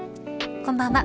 こんばんは。